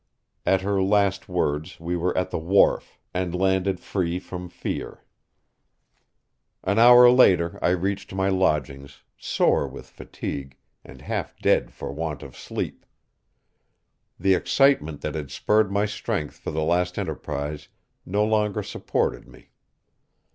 At her last words we were at the wharf, and landed free from fear. An hour later I reached my lodgings, sore with fatigue, and half dead for want of sleep. The excitement that had spurred my strength for the last enterprise no longer supported me.